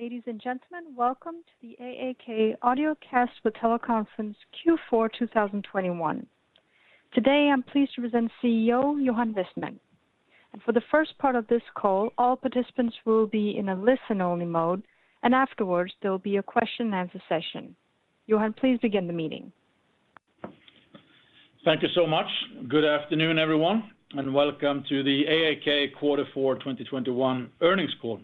Ladies and gentlemen, welcome to the AAK audiocast for teleconference Q4 2021. Today, I'm pleased to present CEO Johan Westman. For the first part of this call, all participants will be in a listen-only mode, and afterwards, there will be a question-and-answer session. Johan, please begin the meeting. Thank you so much. Good afternoon, everyone, and welcome to the AAK quarter four 2021 earnings call.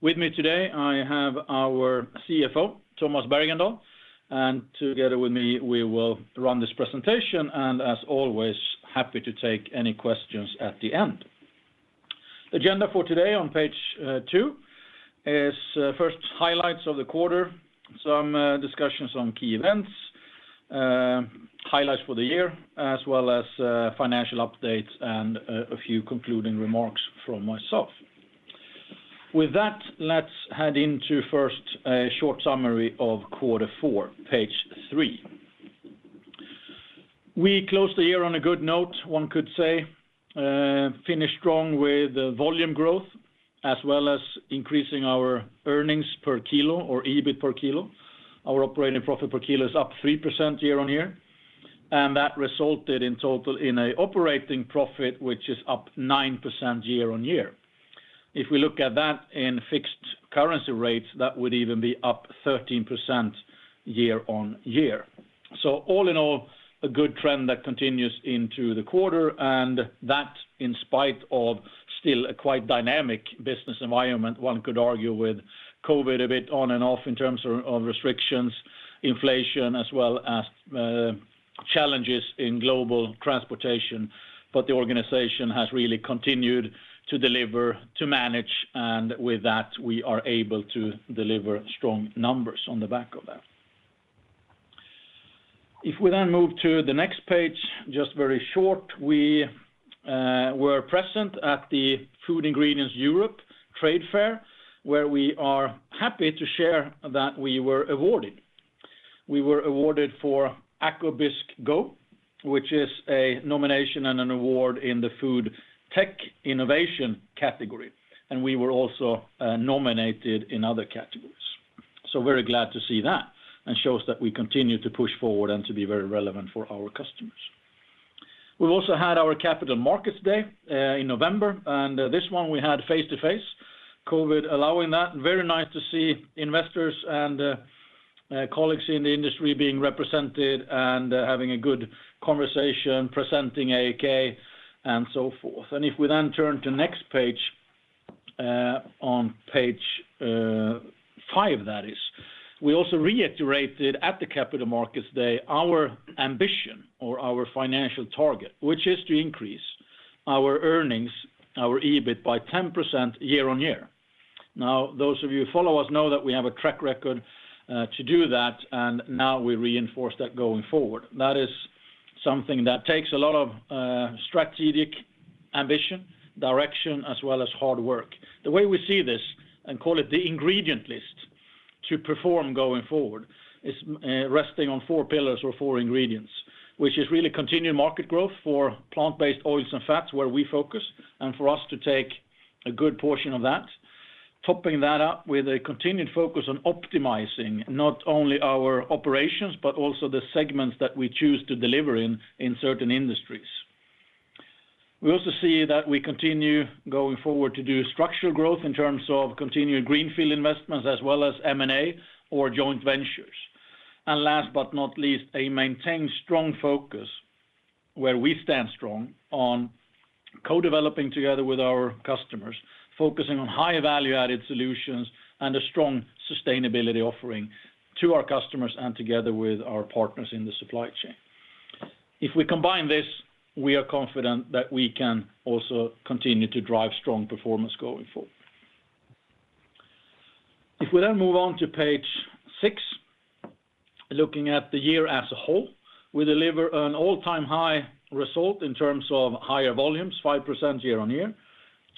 With me today, I have our CFO, Tomas Bergendahl, and together with me, we will run this presentation, and as always, happy to take any questions at the end. Agenda for today on page two is first highlights of the quarter, some discussions on key events, highlights for the year, as well as financial updates and a few concluding remarks from myself. With that, let's head into first a short summary of quarter four, page 3. We closed the year on a good note, one could say, finished strong with volume growth, as well as increasing our earnings per kilo or EBIT per kilo. Our operating profit per kilo is up 3% year on year, and that resulted in total in an operating profit which is up 9% year on year. If we look at that in fixed currency rates, that would even be up 13% year on year. All in all, a good trend that continues into the quarter, and that in spite of still a quite dynamic business environment, one could argue, with COVID a bit on and off in terms of restrictions, inflation as well as challenges in global transportation, but the organization has really continued to deliver, to manage, and with that, we are able to deliver strong numbers on the back of that. If we move to the next page, just very short, we were present at the Food Ingredients Europe trade fair, where we are happy to share that we were awarded for AkoBisc GO!, which is a nomination and an award in the food tech innovation category, and we were also nominated in other categories. Very glad to see that, and shows that we continue to push forward and to be very relevant for our customers. We've also had our Capital Markets Day in November, and this one we had face-to-face, COVID allowing that. Very nice to see investors and colleagues in the industry being represented and having a good conversation, presenting AAK, and so forth. If we then turn to next page, on page 5, that is, we also reiterated at the Capital Markets Day our ambition or our financial target, which is to increase our earnings, our EBIT, by 10% year on year. Now, those of you who follow us know that we have a track record to do that, and now we reinforce that going forward. That is something that takes a lot of strategic ambition, direction, as well as hard work. The way we see this, and call it the ingredient list to perform going forward, is resting on four pillars or four ingredients, which is really continued market growth for plant-based oils and fats, where we focus, and for us to take a good portion of that. Topping that up with a continued focus on optimizing not only our operations, but also the segments that we choose to deliver in certain industries. We also see that we continue going forward to do structural growth in terms of continued greenfield investments, as well as M&A or joint ventures. Last but not least, a maintained strong focus where we stand strong on co-developing together with our customers, focusing on high value-added solutions and a strong sustainability offering to our customers and together with our partners in the supply chain. If we combine this, we are confident that we can also continue to drive strong performance going forward. If we then move on to page six, looking at the year as a whole, we deliver an all-time high result in terms of higher volumes, 5% year on year.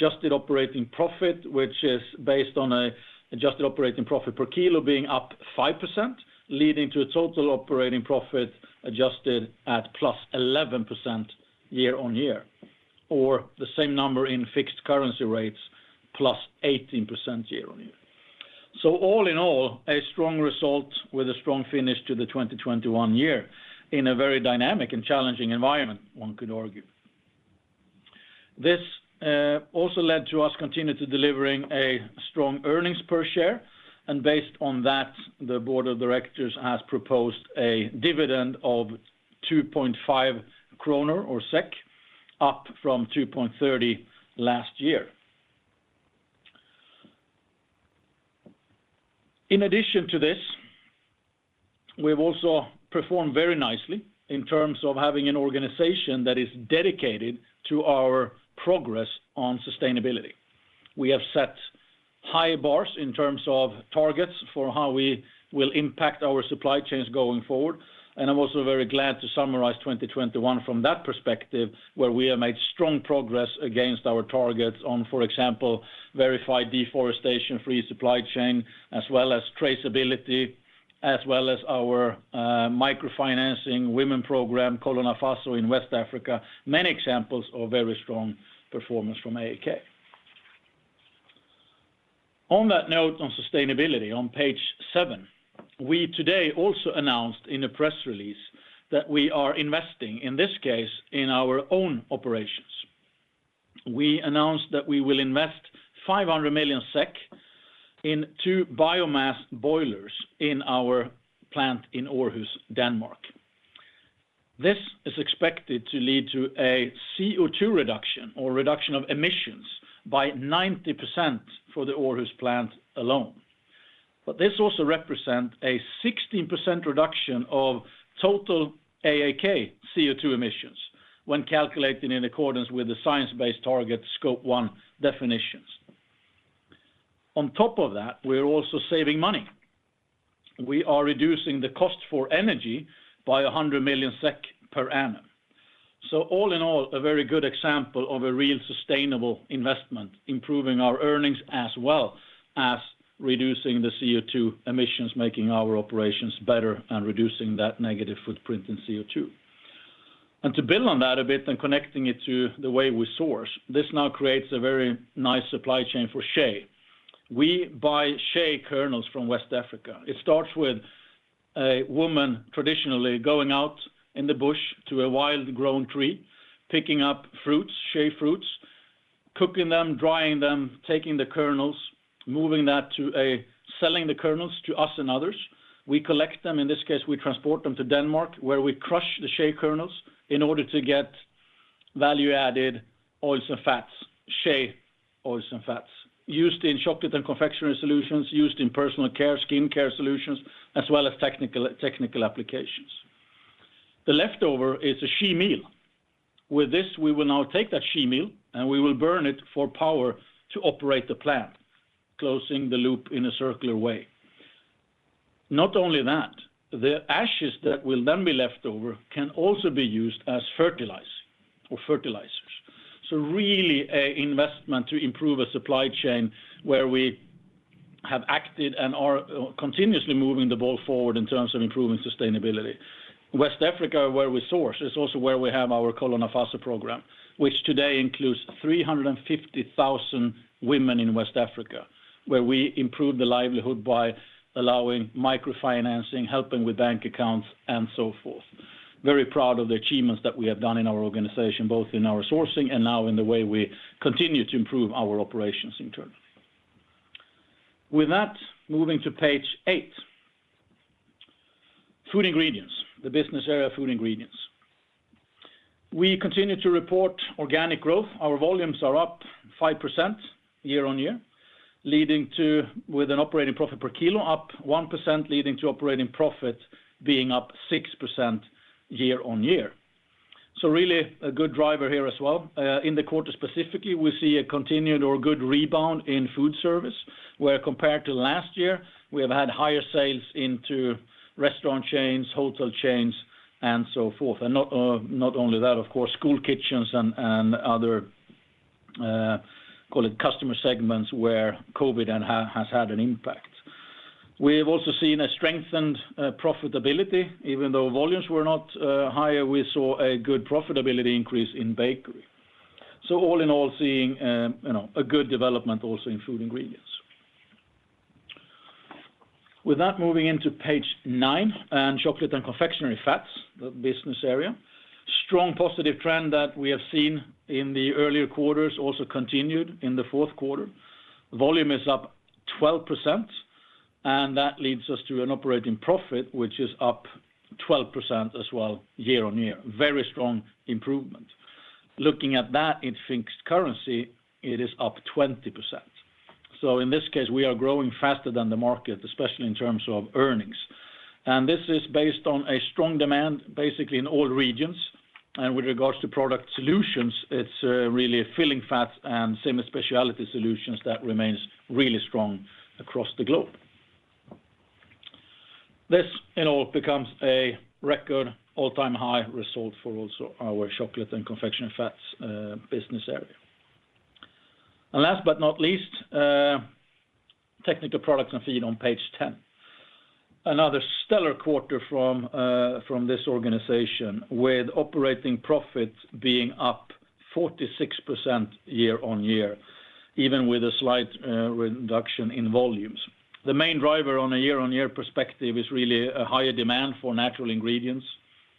Adjusted operating profit, which is based on an adjusted operating profit per kilo being up 5%, leading to a total operating profit adjusted at +11% year on year, or the same number in fixed currency rates +18% year on year. All in all, a strong result with a strong finish to the 2021 year in a very dynamic and challenging environment, one could argue. This also led to us continuing to deliver a strong earnings per share, and based on that, the board of directors has proposed a dividend of 2.5 kronor, up from 2.30 last year. In addition to this, we've also performed very nicely in terms of having an organization that is dedicated to our progress on sustainability. We have set high bars in terms of targets for how we will impact our supply chains going forward, and I'm also very glad to summarize 2021 from that perspective, where we have made strong progress against our targets on, for example, verified deforestation-free supply chain, as well as traceability, as well as our microfinancing women program, Kolo Nafaso in West Africa. Many examples of very strong performance from AAK. On that note on sustainability on page 7, we today also announced in a press release that we are investing, in this case, in our own operations. We announced that we will invest 500 million SEK in two biomass boilers in our plant in Aarhus, Denmark. This is expected to lead to a CO2 reduction or reduction of emissions by 90% for the Aarhus plant alone. This also represent a 16% reduction of total AAK CO2 emissions when calculating in accordance with the Science Based Targets scope 1 definitions. On top of that, we're also saving money. We are reducing the cost for energy by 100 million SEK per annum. All in all, a very good example of a real sustainable investment, improving our earnings as well as reducing the CO2 emissions, making our operations better and reducing that negative footprint in CO2. To build on that a bit and connecting it to the way we source, this now creates a very nice supply chain for shea. We buy shea kernels from West Africa. It starts with a woman traditionally going out in the bush to a wild grown tree, picking up fruits, shea fruits, cooking them, drying them, taking the kernels, selling the kernels to us and others. We collect them. In this case, we transport them to Denmark, where we crush the shea kernels in order to get value-added oils and fats, shea oils and fats, used in chocolate and confectionery solutions, used in personal care, skincare solutions, as well as technical applications. The leftover is a shea meal. With this, we will now take that shea meal, and we will burn it for power to operate the plant, closing the loop in a circular way. Not only that, the ashes that will then be left over can also be used as fertilizer. Really an investment to improve a supply chain where we have acted and are continuously moving the ball forward in terms of improving sustainability. West Africa, where we source, is also where we have our Kolo Nafaso program, which today includes 350,000 women in West Africa, where we improve the livelihood by allowing microfinancing, helping with bank accounts and so forth. Very proud of the achievements that we have done in our organization, both in our sourcing and now in the way we continue to improve our operations internally. With that, moving to page 8. Food Ingredients, the business area Food Ingredients. We continue to report organic growth. Our volumes are up 5% year on year, leading to, with an operating profit per kilo up 1%, leading to operating profit being up 6% year on year. Really a good driver here as well. In the quarter specifically, we see a continued or good rebound in food service, where compared to last year, we have had higher sales into restaurant chains, hotel chains and so forth. Not only that, of course, school kitchens and other call it customer segments where COVID then has had an impact. We have also seen a strengthened profitability. Even though volumes were not higher, we saw a good profitability increase in bakery. All in all, seeing you know, a good development also in Food Ingredients. With that, moving into page nine and Chocolate & Confectionery Fats, the business area. Strong positive trend that we have seen in the earlier quarters also continued in the fourth quarter. Volume is up 12%, and that leads us to an operating profit, which is up 12% as well year on year. Very strong improvement. Looking at that in fixed currency, it is up 20%. In this case, we are growing faster than the market, especially in terms of earnings. This is based on a strong demand, basically in all regions. With regards to product solutions, it's really filling fats and semi-specialty solutions that remains really strong across the globe. This in all becomes a record all-time high result for also our Chocolate & Confectionery Fats business area. Last but not least, Technical Products & Feed on page 10. Another stellar quarter from this organization, with operating profits being up 46% year on year, even with a slight reduction in volumes. The main driver on a year on year perspective is really a higher demand for natural ingredients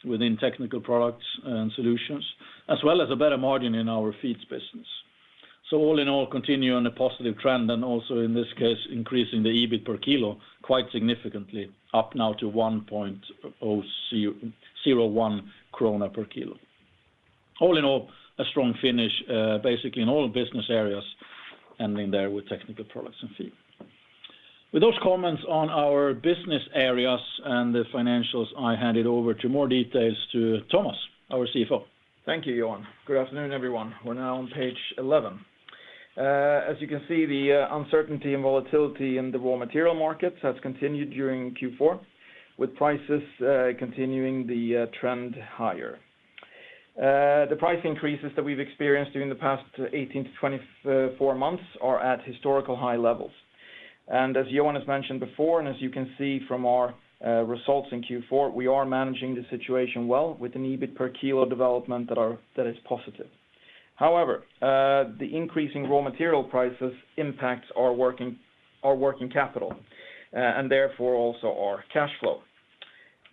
within technical products and solutions, as well as a better margin in our feeds business. All in all, continuing a positive trend and also in this case, increasing the EBIT per kilo quite significantly up now to 1.01 krona per kilo. All in all, a strong finish, basically in all business areas ending there with Technical Products & Feed. With those comments on our business areas and the financials, I hand it over to more details to Tomas, our CFO. Thank you, Johan. Good afternoon, everyone. We're now on page 11. As you can see, the uncertainty and volatility in the raw material markets has continued during Q4, with prices continuing the trend higher. The price increases that we've experienced during the past 18 to 24 months are at historical high levels. As Johan has mentioned before, and as you can see from our results in Q4, we are managing the situation well with an EBIT per kilo development that is positive. However, the increasing raw material prices impacts our working capital, and therefore also our cash flow.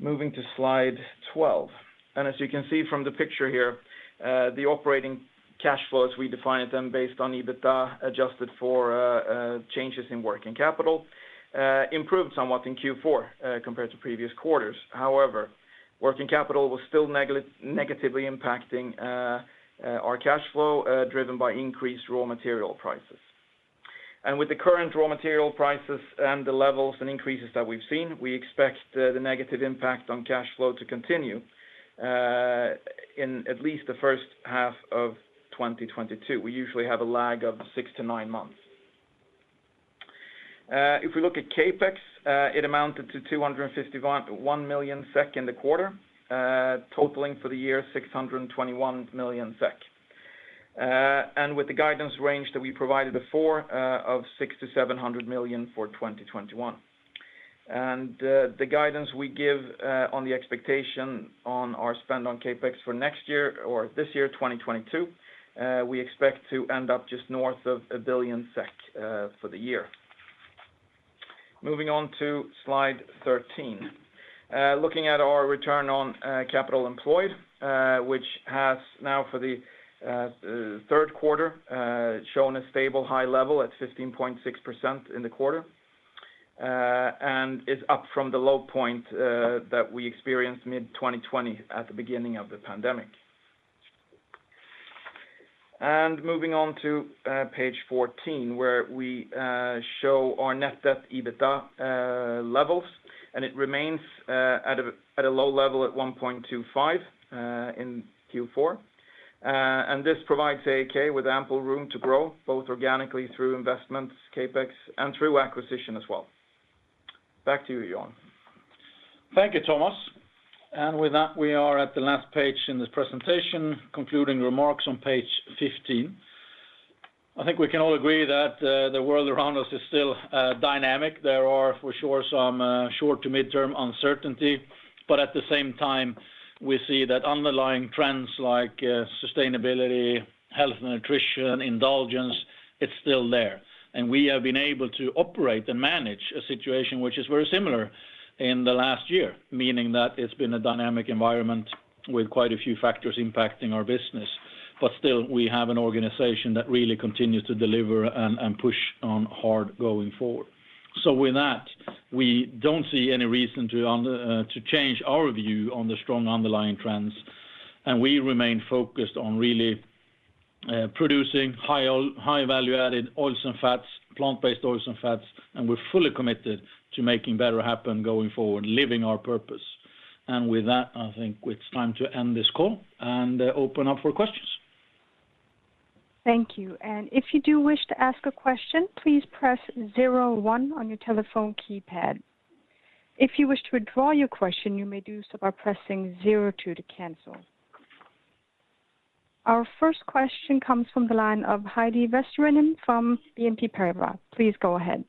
Moving to slide 12. As you can see from the picture here, the operating cash flows, we defined them based on EBITDA adjusted for changes in working capital, improved somewhat in Q4 compared to previous quarters. However, working capital was still negatively impacting our cash flow, driven by increased raw material prices. With the current raw material prices and the levels and increases that we've seen, we expect the negative impact on cash flow to continue in at least the first half of 2022. We usually have a lag of six to nine months. If we look at CapEx, it amounted to 251 million SEK in the quarter, totaling for the year 621 million SEK. With the guidance range that we provided before of 600 million-700 million for 2021. The guidance we give on the expectation on our spend on CapEx for next year or this year, 2022, we expect to end up just north of 1 billion SEK for the year. Moving on to slide 13. Looking at our Return on Capital Employed, which has now for the third quarter shown a stable high level at 15.6% in the quarter, and it's up from the low point that we experienced mid-2020 at the beginning of the pandemic. Moving on to page 14, where we show our Net Debt/EBITDA levels, and it remains at a low level at 1.25 in Q4. This provides AAK with ample room to grow, both organically through investments, CapEx, and through acquisition as well. Back to you, Johan. Thank you, Tomas. With that, we are at the last page in this presentation, concluding remarks on page 15. I think we can all agree that the world around us is still dynamic. There are for sure some short to mid-term uncertainty, but at the same time, we see that underlying trends like sustainability, health, nutrition, indulgence, it's still there. We have been able to operate and manage a situation which is very similar in the last year, meaning that it's been a dynamic environment with quite a few factors impacting our business. Still, we have an organization that really continues to deliver and push on hard going forward. With that, we don't see any reason to change our view on the strong underlying trends, and we remain focused on really producing high value-added oils and fats, plant-based oils and fats, and we're fully committed to making better happen going forward, living our purpose. With that, I think it's time to end this call and open up for questions. Thank you. If you do wish to ask a question, please press zero one on your telephone keypad. If you wish to withdraw your question, you may do so by pressing zero two to cancel. Our first question comes from the line of Heidi Vesterinen from BNP Paribas. Please go ahead.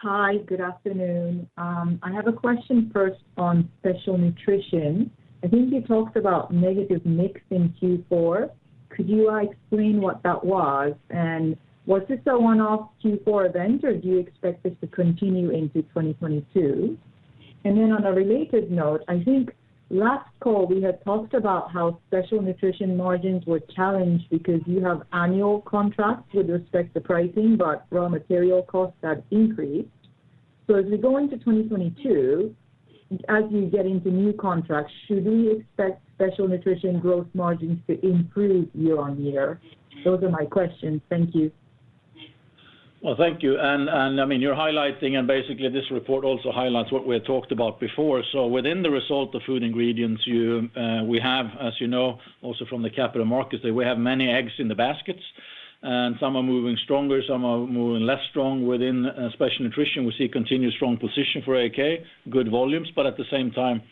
Hi, good afternoon. I have a question first on Special Nutrition. I think you talked about negative mix in Q4. Could you explain what that was? Was this a one-off Q4 event, or do you expect this to continue into 2022? On a related note, I think last call, we had talked about how Special Nutrition margins were challenged because you have annual contracts with respect to pricing, but raw material costs have increased. As we go into 2022, as you get into new contracts, should we expect Special Nutrition growth margins to improve year on year? Those are my questions. Thank you. Well, thank you. I mean, you're highlighting, and basically this report also highlights what we had talked about before. Within the result of Food Ingredients, you, we have, as you know, also from the capital markets, that we have many eggs in the baskets, and some are moving stronger, some are moving less strong within Special Nutrition. We see continued strong position for AAK, good volumes, but at the same time,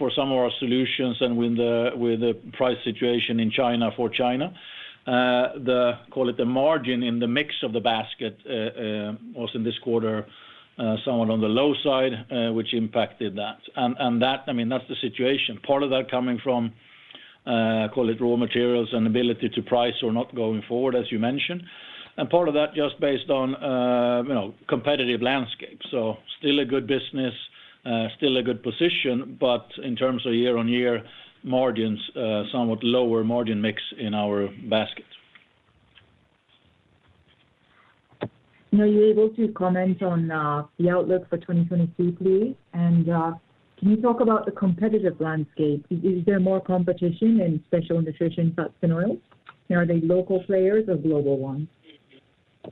for some of our solutions and with the price situation in China, for China, the margin in the mix of the basket was in this quarter somewhat on the low side, which impacted that. That, I mean, that's the situation. Part of that coming from, call it raw materials and ability to price or not going forward, as you mentioned. Part of that just based on, you know, competitive landscape. Still a good business, still a good position, but in terms of year on year margins, somewhat lower margin mix in our basket. Are you able to comment on the outlook for 2022, please? Can you talk about the competitive landscape? Is there more competition in Special Nutrition fats and oils? Are they local players or global ones?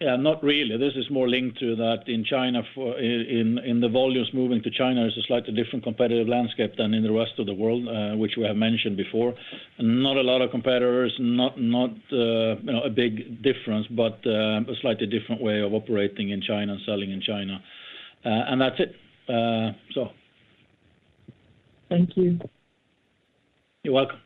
Yeah, not really. This is more linked to that in China in the volumes moving to China is a slightly different competitive landscape than in the rest of the world, which we have mentioned before. Not a lot of competitors, not you know, a big difference, but a slightly different way of operating in China and selling in China. That's it. Thank you. You're welcome.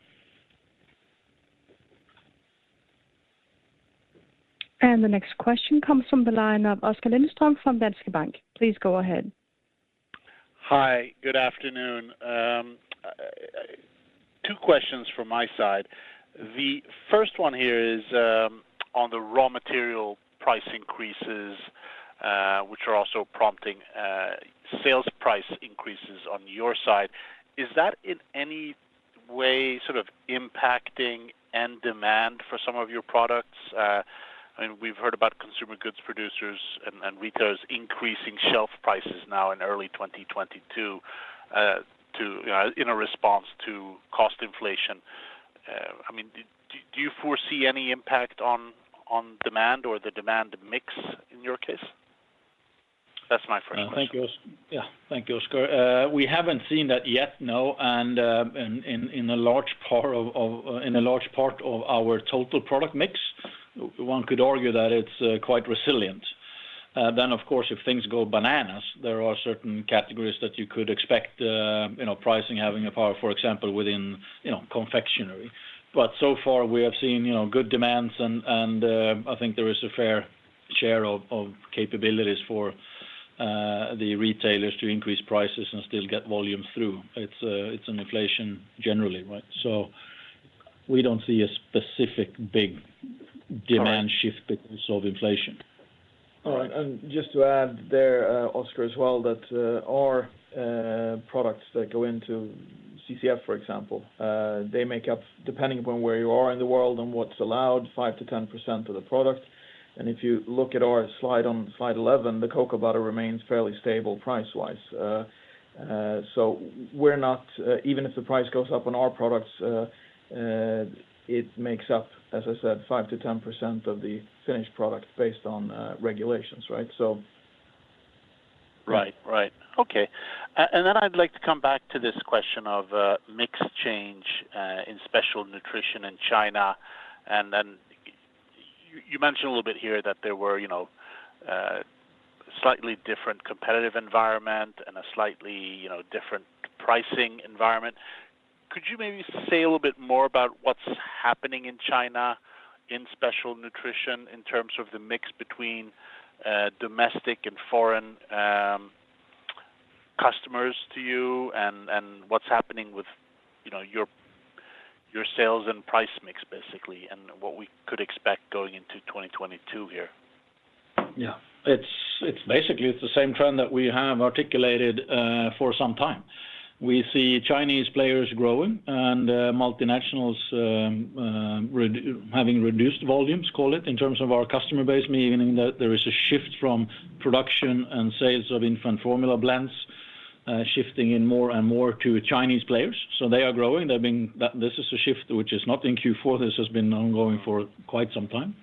The next question comes from the line of Oskar Lindström from DNB Bank. Please go ahead. Hi, good afternoon. Two questions from my side. The first one here is on the raw material price increases, which are also prompting sales price increases on your side. Is that in any way sort of impacting end demand for some of your products? We've heard about consumer goods producers and retailers increasing shelf prices now in early 2022, you know, in a response to cost inflation. I mean, do you foresee any impact on demand or the demand mix in your case? That's my first question. Thank you, Oskar. We haven't seen that yet, no. In a large part of our total product mix, one could argue that it's quite resilient. Of course, if things go bananas, there are certain categories that you could expect, you know, pricing power, for example, within, you know, confectionery. So far we have seen, you know, good demand and I think there is a fair share of capabilities for the retailers to increase prices and still get volume through. It's inflation generally, right? We don't see a specific big demand shift because of inflation. All right. Just to add there, Oskar, as well, that our products that go into CCF, for example, they make up, depending upon where you are in the world and what's allowed, 5%-10% of the product. If you look at our slide on slide 11, the cocoa butter remains fairly stable price-wise. We're not even if the price goes up on our products, it makes up, as I said, 5%-10% of the finished product based on regulations, right? Right. Okay. I'd like to come back to this question of mix change in Special Nutrition in China. You mentioned a little bit here that there were, you know, slightly different competitive environment and a slightly, you know, different pricing environment. Could you maybe say a little bit more about what's happening in China in Special Nutrition in terms of the mix between domestic and foreign customers to you and what's happening with, you know, your sales and price mix, basically, and what we could expect going into 2022 here? Yeah. It's basically the same trend that we have articulated for some time. We see Chinese players growing and multinationals having reduced volumes, call it, in terms of our customer base, meaning that there is a shift from production and sales of infant formula blends, shifting in more and more to Chinese players. They are growing. This is a shift which is not in Q4. This has been ongoing for quite some time.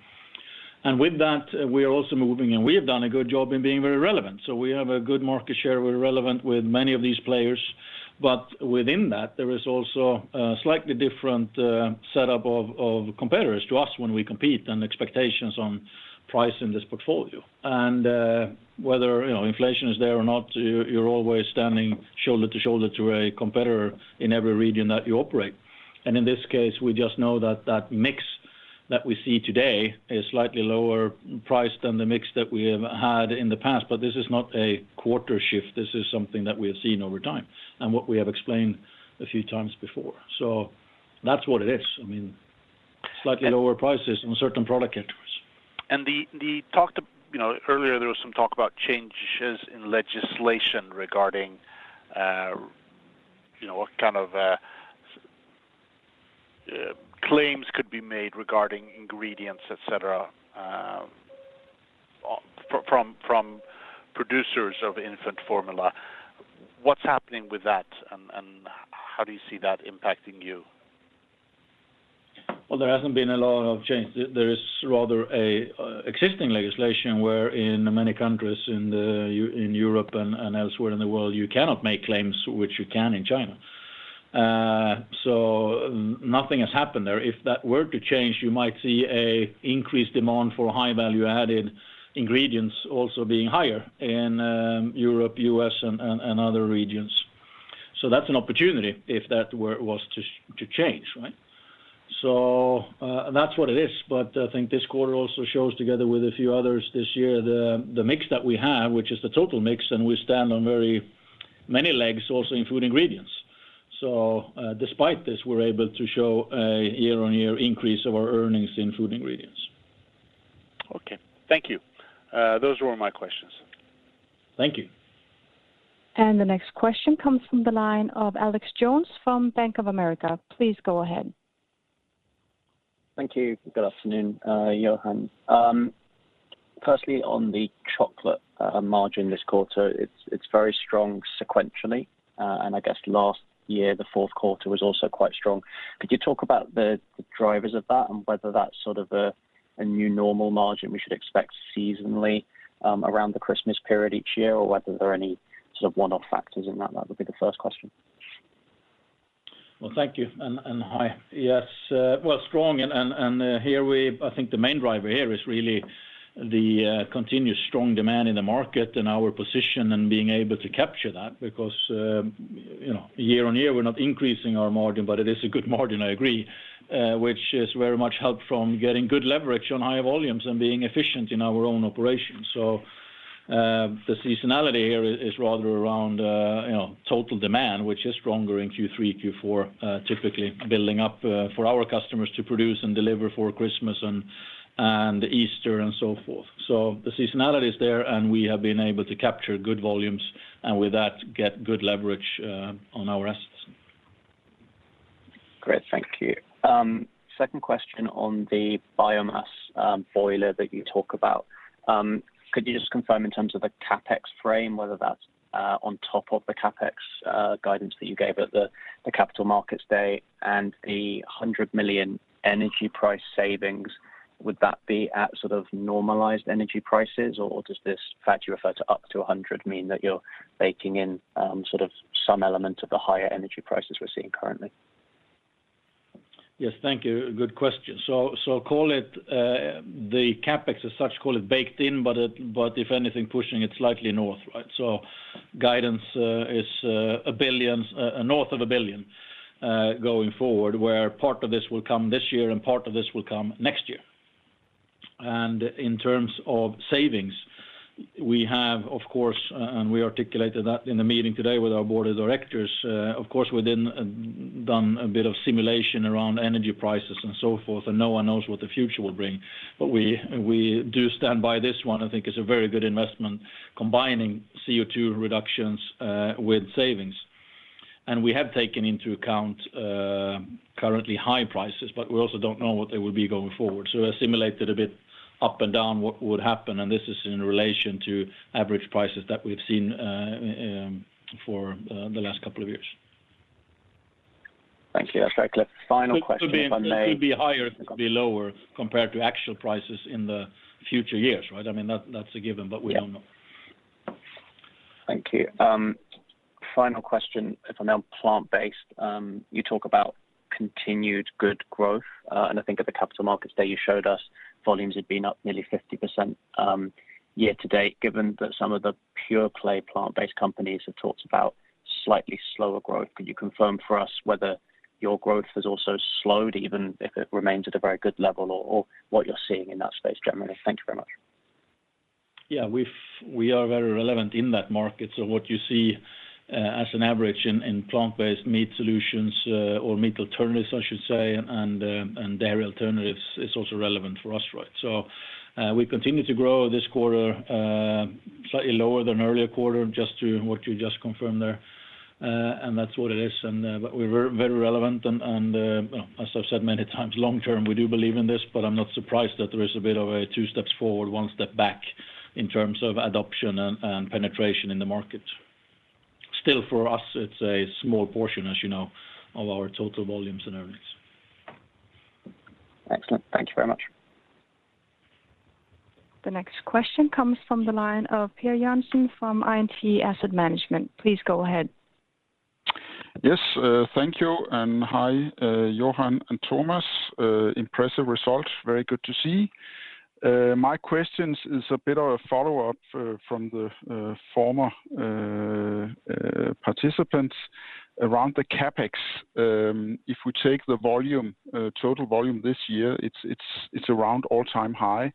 With that, we are also moving, and we have done a good job in being very relevant. We have a good market share. We're relevant with many of these players. Within that, there is also a slightly different setup of competitors to us when we compete and expectations on price in this portfolio. Whether, you know, inflation is there or not, you're always standing shoulder to shoulder to a competitor in every region that you operate. In this case, we just know that mix that we see today is slightly lower priced than the mix that we have had in the past. This is not a quarter shift. This is something that we have seen over time and what we have explained a few times before. That's what it is. I mean, slightly lower prices on certain product categories. You know, earlier there was some talk about changes in legislation regarding, you know, what kind of claims could be made regarding ingredients, et cetera, from producers of infant formula. What's happening with that, and how do you see that impacting you? Well, there hasn't been a lot of change. There is rather an existing legislation where in many countries in Europe and elsewhere in the world, you cannot make claims which you can in China. Nothing has happened there. If that were to change, you might see an increased demand for high value-added ingredients also being higher in Europe, U.S., and other regions. That's an opportunity if that were to change, right? That's what it is. I think this quarter also shows together with a few others this year, the mix that we have, which is the total mix, and we stand on very many legs also in Food Ingredients. Despite this, we're able to show a year-on-year increase of our earnings in Food Ingredients. Okay. Thank you. Those were all my questions. Thank you. The next question comes from the line of Alex Jones from Bank of America. Please go ahead. Thank you. Good afternoon, Johan. Firstly, on the chocolate margin this quarter, it's very strong sequentially. I guess last year, the fourth quarter was also quite strong. Could you talk about the drivers of that and whether that's sort of a new normal margin we should expect seasonally around the Christmas period each year, or whether there are any sort of one-off factors in that? That would be the first question. Well, thank you and hi. Yes, well, strong. I think the main driver here is really the continuous strong demand in the market and our position in being able to capture that because, you know, year on year, we're not increasing our margin, but it is a good margin, I agree, which is very much helped from getting good leverage on high volumes and being efficient in our own operations. The seasonality here is rather around, you know, total demand, which is stronger in Q3, Q4, typically building up for our customers to produce and deliver for Christmas and Easter and so forth. The seasonality is there, and we have been able to capture good volumes, and with that, get good leverage on our assets. Great. Thank you. Second question on the biomass boiler that you talk about. Could you just confirm in terms of the CapEx frame whether that's on top of the CapEx guidance that you gave at the Capital Markets Day and the 100 million energy price savings, would that be at sort of normalized energy prices, or does this fact you refer to up to 100 mean that you're baking in sort of some element of the higher energy prices we're seeing currently? Yes. Thank you. Good question. Call it the CapEx as such, call it baked in, but if anything, pushing it slightly north, right? Guidance is north of 1 billion going forward, where part of this will come this year and part of this will come next year. In terms of savings, we have of course and we articulated that in the meeting today with our board of directors, of course we then done a bit of simulation around energy prices and so forth, and no one knows what the future will bring. We do stand by this one. I think it's a very good investment combining CO2 reductions with savings. We have taken into account currently high prices, but we also don't know what they will be going forward. We simulated a bit up and down what would happen, and this is in relation to average prices that we've seen for the last couple of years. Thank you. That's very clear. Final question, if I may. Could be higher, could be lower compared to actual prices in the future years, right? I mean, that's a given, but we don't know. Yeah. Thank you. Final question is on plant-based. You talk about continued good growth, and I think at the Capital Markets Day, you showed us volumes had been up nearly 50%, year to date. Given that some of the pure-play plant-based companies have talked about slightly slower growth, could you confirm for us whether your growth has also slowed, even if it remains at a very good level, or what you're seeing in that space generally? Thank you very much. Yeah. We are very relevant in that market. What you see as an average in plant-based meat solutions or meat alternatives, I should say, and dairy alternatives is also relevant for us, right? We continue to grow this quarter, slightly lower than earlier quarter just to what you just confirmed there. That's what it is. We're very relevant and, as I've said many times long term, we do believe in this, but I'm not surprised that there is a bit of a two steps forward, one step back in terms of adoption and penetration in the market. Still for us, it's a small portion, as you know, of our total volumes and earnings. Excellent. Thank you very much. The next question comes from the line of Peter Jansen from ING Asset Management. Please go ahead. Yes. Thank you. Hi, Johan and Thomas. Impressive results. Very good to see. My question is a bit of a follow-up from the former participants around the CapEx. If we take the volume, total volume this year, it's around all-time high.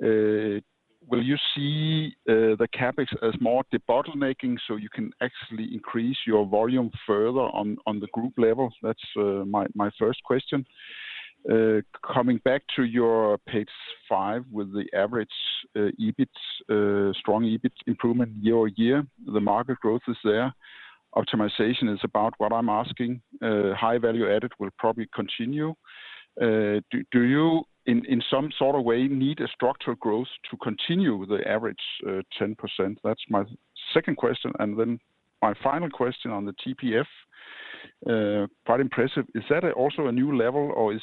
Will you see the CapEx as more debottlenecking so you can actually increase your volume further on the group level? That's my first question. Coming back to your page 5 with the average EBIT, strong EBIT improvement year on year, the market growth is there. Optimization is about what I'm asking. High value added will probably continue. Do you in some sort of way need structural growth to continue the average 10%? That's my second question. My final question on the TPF, quite impressive. Is that also a new level or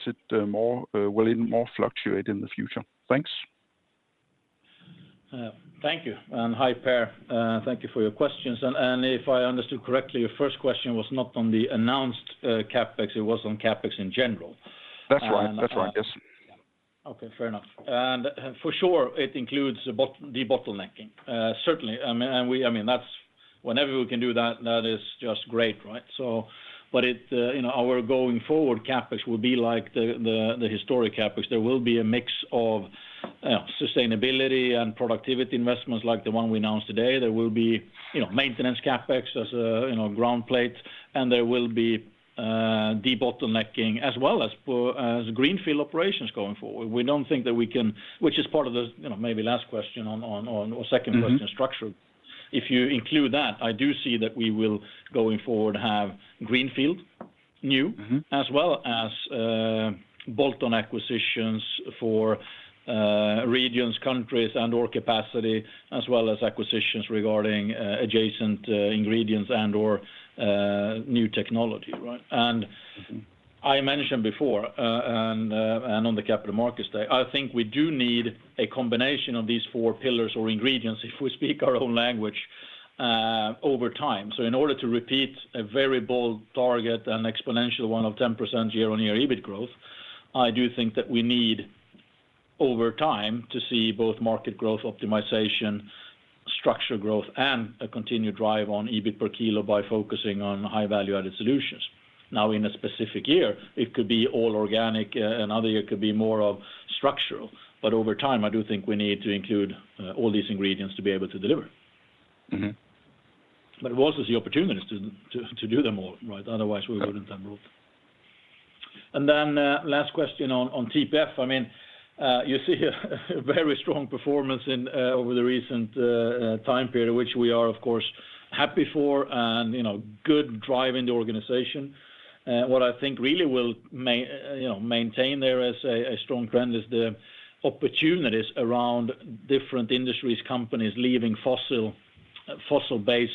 will it more fluctuate in the future? Thanks. Thank you. Hi, Peter, thank you for your questions. If I understood correctly, your first question was not on the announced CapEx, it was on CapEx in general. That's right. Yes. Okay. Fair enough. For sure, it includes debottlenecking. Certainly. That's whenever we can do that is just great, right? You know, our going forward CapEx will be like the historic CapEx. There will be a mix of sustainability and productivity investments like the one we announced today. There will be, you know, maintenance CapEx as, you know, ground plates, and there will be debottlenecking as well as greenfield operations going forward. We don't think that we can, which is part of the, you know, maybe last question on or second question structure. If you include that, I do see that we will, going forward, have greenfield, new, as well as, bolt-on acquisitions for, regions, countries, and/or capacity, as well as acquisitions regarding, adjacent, ingredients and/or, new technology, right? I mentioned before, and on the Capital Markets Day, I think we do need a combination of these four pillars or ingredients if we speak our own language, over time. In order to repeat a very bold target, an exponential one of 10% year on year EBIT growth, I do think that we need over time to see both market growth optimization, structure growth, and a continued drive on EBIT per kilo by focusing on high value-added solutions. Now in a specific year, it could be all organic, another year it could be more of structural. Over time, I do think we need to include all these ingredients to be able to deliver. Mm-hmm. It was the opportunity to do them all, right? Otherwise, we wouldn't have growth. Then last question on TPF. I mean, you see a very strong performance over the recent time period, which we are of course happy for and good drive in the organization. What I think really will maintain there as a strong trend is the opportunities around different industries, companies leaving fossil-based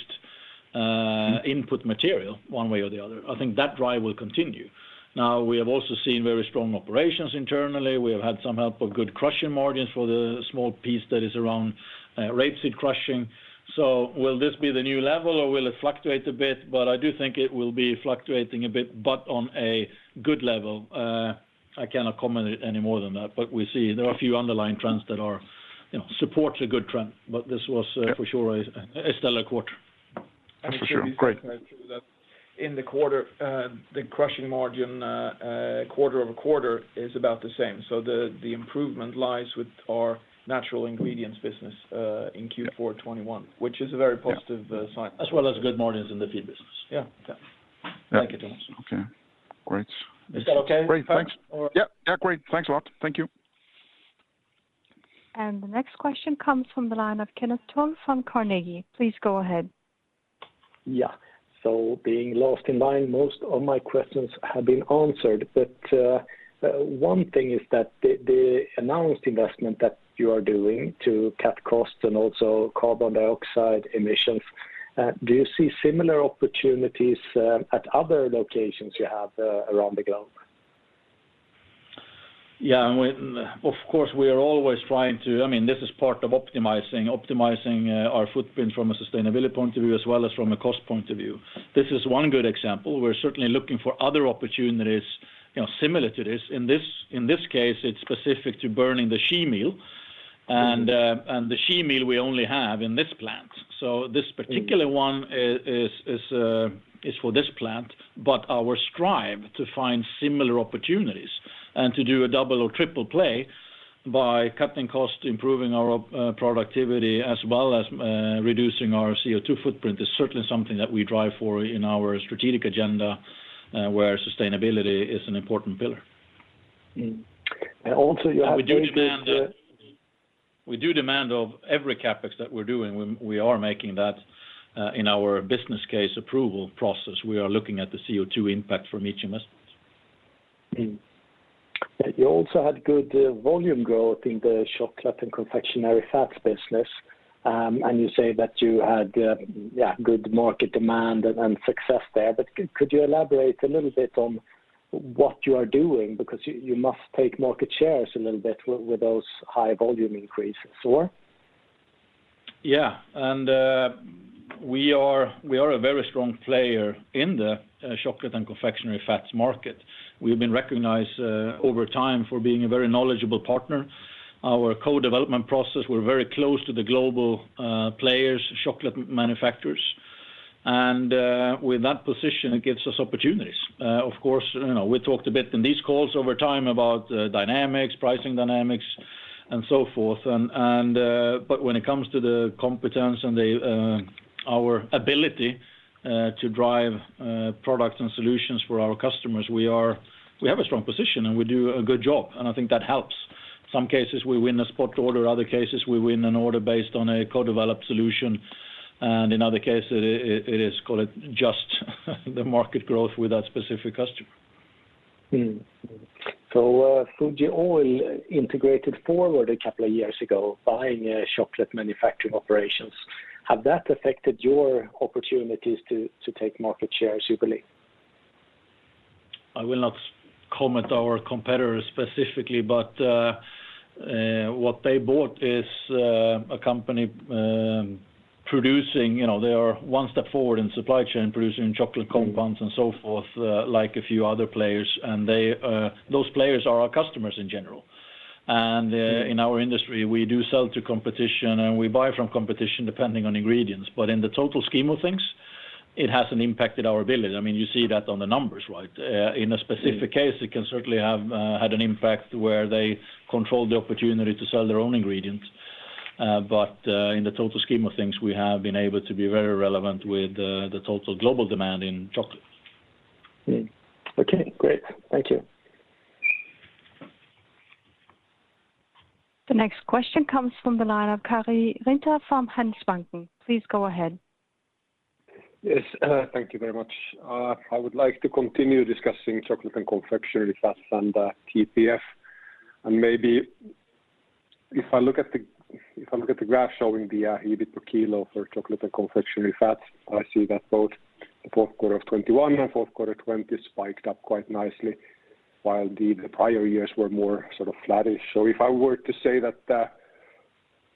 input material one way or the other. I think that drive will continue. Now, we have also seen very strong operations internally. We have had some help of good crushing margins for the small piece that is around rapeseed crushing. Will this be the new level, or will it fluctuate a bit? I do think it will be fluctuating a bit, but on a good level. I cannot comment any more than that. We see there are a few underlying trends that are, you know, support a good trend. This was, for sure, a stellar quarter. That's for sure. Great. In the quarter, the crushing margin quarter-over-quarter is about the same. The improvement lies with our natural ingredients business in Q4 2021, which is a very positive sign. As well as good margins in the feed business. Yeah. Yeah. Thank you, Tomas. Okay, great. Is that okay? Great. Thanks. Yeah. Yeah. Great. Thanks a lot. Thank you. The next question comes from the line of Kenneth Toll Johansson from Carnegie. Please go ahead. Yeah. Being last in line, most of my questions have been answered. One thing is that the announced investment that you are doing to cut costs and also carbon dioxide emissions, do you see similar opportunities at other locations you have around the globe? Of course, we are always trying to. I mean, this is part of optimizing our footprint from a sustainability point of view as well as from a cost point of view. This is one good example. We're certainly looking for other opportunities, you know, similar to this. In this case, it's specific to burning the shea meal. The shea meal we only have in this plant. This particular one is for this plant. Our strive to find similar opportunities and to do a double or triple play by cutting costs, improving our productivity as well as reducing our CO2 footprint is certainly something that we drive for in our strategic agenda, where sustainability is an important pillar. You have made this. We do demand of every CapEx that we're doing when we are making that in our business case approval process, we are looking at the CO2 impact from each investment. You also had good volume growth in the Chocolate & Confectionery Fats business. You say that you had good market demand and success there. Could you elaborate a little bit on what you are doing? Because you must take market shares a little bit with those high volume increases or? Yeah, we are a very strong player in the Chocolate and Confectionery Fats market. We've been recognized over time for being a very knowledgeable partner. Our co-development process, we're very close to the global players, chocolate manufacturers. With that position, it gives us opportunities. Of course, you know, we talked a bit in these calls over time about dynamics, pricing dynamics, and so forth. When it comes to the competence and our ability to drive products and solutions for our customers, we have a strong position, and we do a good job, and I think that helps. In some cases, we win a spot order, in other cases, we win an order based on a co-developed solution. In other cases, it is, call it, just the market growth with that specific customer. Fuji Oil integrated forward a couple of years ago, buying a chocolate manufacturing operations. Has that affected your opportunities to take market share, as you believe? I will not comment on our competitors specifically, but what they bought is a company producing. You know, they are one step forward in the supply chain, producing chocolate compounds and so forth, like a few other players. Those players are our customers in general. In our industry, we do sell to competition, and we buy from competition depending on ingredients. In the total scheme of things, it hasn't impacted our ability. I mean, you see that on the numbers, right? In a specific case, it can certainly have had an impact where they control the opportunity to sell their own ingredients. In the total scheme of things, we have been able to be very relevant with the total global demand in chocolate. Mm-hmm. Okay, great. Thank you. The next question comes from the line of Kari Rinta from Handelsbanken. Please go ahead. Yes. Thank you very much. I would like to continue discussing chocolate and confectionery fats and TPF, and maybe if I look at the graph showing the EBIT per kilo for chocolate and confectionery fats. I see that both the fourth quarter of 2021 and fourth quarter 2020 spiked up quite nicely, while the prior years were more sort of flattish. If I were to say that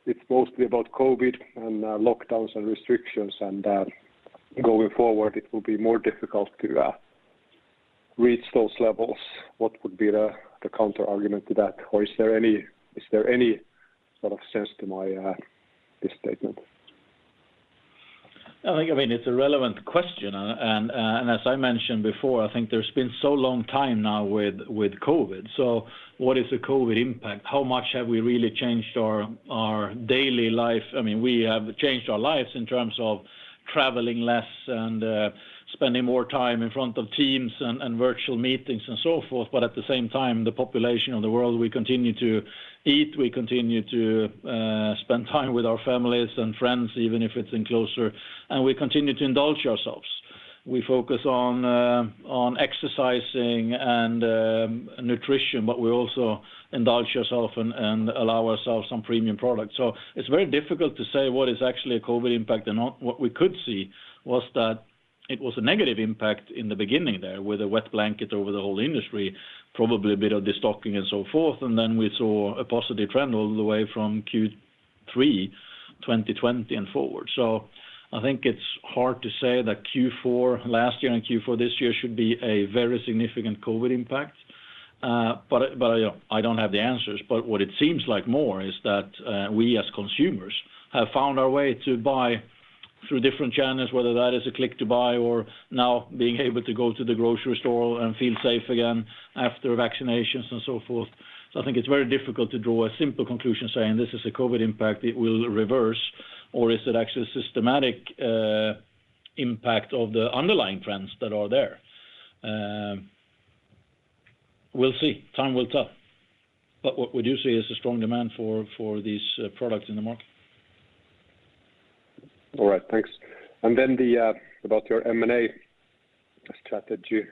it's mostly about COVID and lockdowns and restrictions, and going forward, it will be more difficult to reach those levels, what would be the counterargument to that? Or is there any sort of sense to my this statement? I think, I mean, it's a relevant question. As I mentioned before, I think there's been such a long time now with COVID. What is the COVID impact? How much have we really changed our daily life? I mean, we have changed our lives in terms of traveling less and spending more time in front of Teams and virtual meetings and so forth. At the same time, the population of the world, we continue to eat, we continue to spend time with our families and friends, even if it's in closer, and we continue to indulge ourselves. We focus on exercising and nutrition, but we also indulge ourselves and allow ourselves some premium products. It's very difficult to say what is actually a COVID impact or not. What we could see was that it was a negative impact in the beginning there, with a wet blanket over the whole industry, probably a bit of destocking and so forth, and then we saw a positive trend all the way from Q3 2020 and forward. I think it's hard to say that Q4 last year and Q4 this year should be a very significant COVID impact. I don't have the answers. What it seems like more is that, we as consumers have found our way to buy through different channels, whether that is a click to buy or now being able to go to the grocery store and feel safe again after vaccinations and so forth. I think it's very difficult to draw a simple conclusion saying this is a COVID impact, it will reverse, or is it actually a systematic impact of the underlying trends that are there. We'll see. Time will tell. What we do see is a strong demand for these products in the market. All right. Thanks. About your M&A strategy,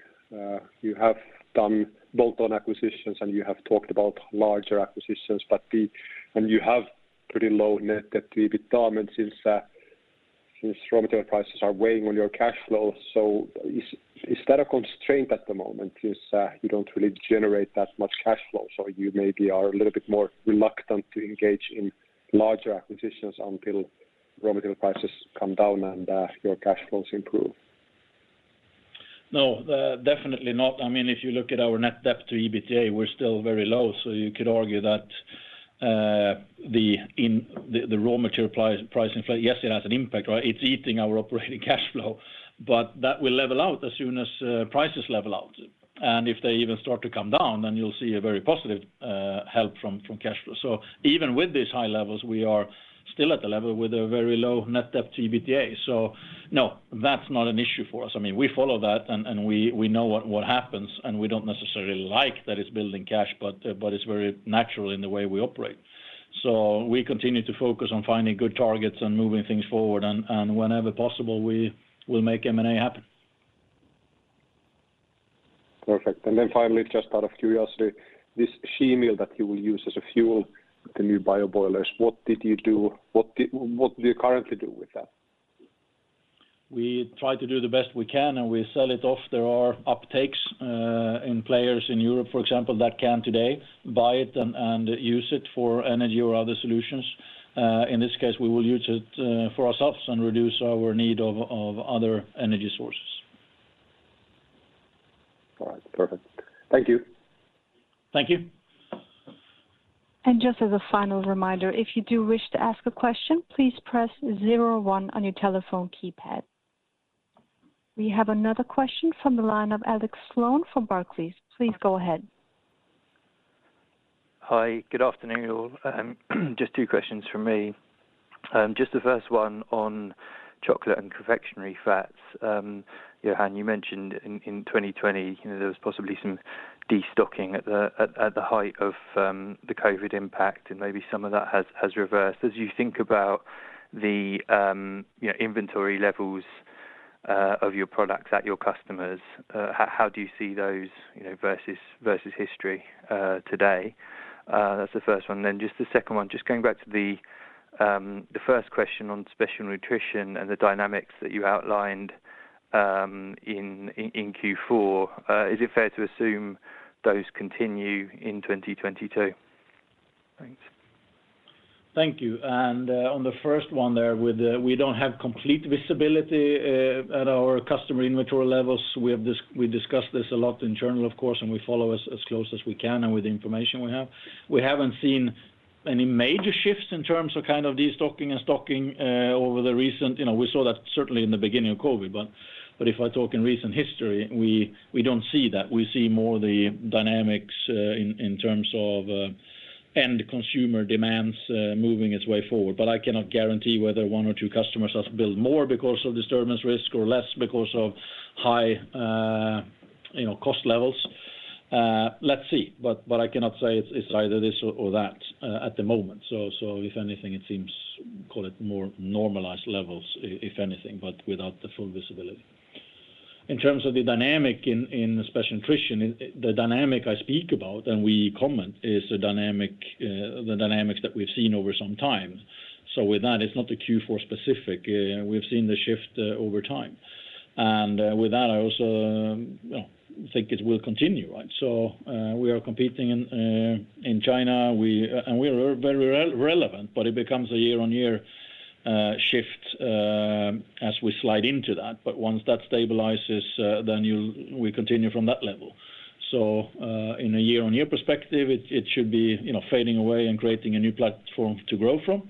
you have done bolt-on acquisitions, and you have talked about larger acquisitions. You have pretty low net debt to EBITDA, and since raw material prices are weighing on your cash flow, is that a constraint at the moment since you don't really generate that much cash flow, so you maybe are a little bit more reluctant to engage in larger acquisitions until raw material prices come down and your cash flows improve? No, definitely not. I mean, if you look at our Net Debt/EBITDA, we're still very low. You could argue that the raw material price inflation, yes, it has an impact, right? It's eating our operating cash flow. That will level out as soon as prices level out. If they even start to come down, then you'll see a very positive help from cash flow. Even with these high levels, we are still at a level with a very low Net Debt/EBITDA. No, that's not an issue for us. I mean, we follow that and we know what happens, and we don't necessarily like that it's building cash, but it's very natural in the way we operate. We continue to focus on finding good targets and moving things forward and whenever possible, we will make M&A happen. Perfect. Finally, just out of curiosity, this shea meal that you will use as a fuel, the new biomass boilers, what do you currently do with that? We try to do the best we can, and we sell it off. There are uptakes in players in Europe, for example, that can today buy it and use it for energy or other solutions. In this case, we will use it for ourselves and reduce our need of other energy sources. All right. Perfect. Thank you. Thank you. Just as a final reminder, if you do wish to ask a question, please press zero-one on your telephone keypad. We have another question from the line of Alex Sloane from Barclays. Please go ahead. Hi. Good afternoon, all. Just two questions from me. Just the first one on Chocolate & Confectionery Fats. Johan, you mentioned in 2020, you know, there was possibly some destocking at the height of the COVID impact, and maybe some of that has reversed. As you think about the, you know, inventory levels of your products at your customers, how do you see those, you know, versus history today? That's the first one. Then just the second one, just going back to the first question on Special Nutrition and the dynamics that you outlined in Q4, is it fair to assume those continue in 2022? Thanks. Thank you. On the first one there, with the we don't have complete visibility at our customer inventory levels. We have discussed this a lot in general, of course, and we follow as close as we can and with the information we have. We haven't seen any major shifts in terms of kind of destocking and stocking over the recent. You know, we saw that certainly in the beginning of COVID. If I talk in recent history, we don't see that. We see more the dynamics in terms of end consumer demands moving its way forward. I cannot guarantee whether one or two customers has built more because of disturbance risk or less because of high, you know, cost levels. Let's see. I cannot say it's either this or that at the moment. If anything, it seems call it more normalized levels if anything, but without the full visibility. In terms of the dynamic in the Special Nutrition, the dynamic I speak about and we comment is the dynamics that we've seen over some time. With that, it's not a Q4 specific. We've seen the shift over time. With that, I also you know think it will continue, right? We are competing in China. We and we are very relevant, but it becomes a year-on-year shift as we slide into that. Once that stabilizes, then you'll we continue from that level. In a year-over-year perspective, it should be, you know, fading away and creating a new platform to grow from.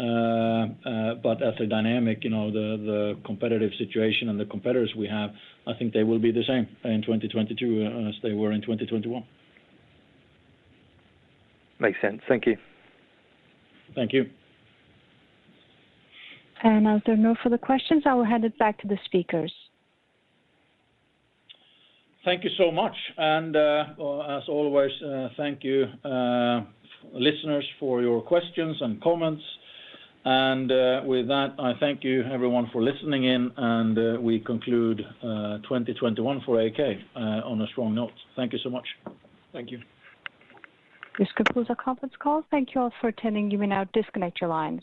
As a dynamic, you know, the competitive situation and the competitors we have, I think they will be the same in 2022 as they were in 2021. Makes sense. Thank you. Thank you. As there are no further questions, I will hand it back to the speakers. Thank you so much. As always, thank you, listeners for your questions and comments. With that, I thank you everyone for listening in, and we conclude 2021 for AAK on a strong note. Thank you so much. Thank you. This concludes our conference call. Thank you all for attending. You may now disconnect your lines.